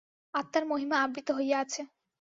আত্মার মহিমা আবৃত হইয়া আছে।